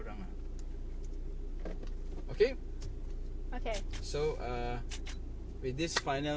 คุณโอเคหรือเปล่า